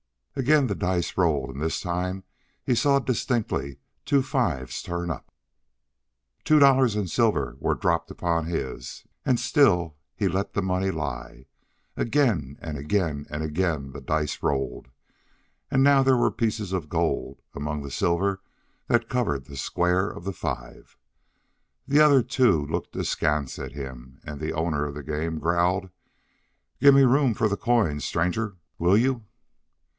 Again the dice rolled, and this time he saw distinctly two fives turn up. Two dollars in silver were dropped upon his, and still he let the money lie. Again, again, and again the dice rolled. And now there were pieces of gold among the silver that covered the square of the five. The other two looked askance at him, and the owner of the game growled: "Gimme room for the coins, stranger, will you?"